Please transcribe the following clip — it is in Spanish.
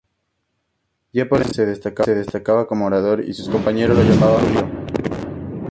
Ya por entonces se destacaba como orador, y sus compañeros lo llamaban Marco Tulio.